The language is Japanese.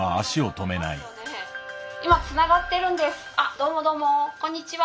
どうもどうもこんにちは。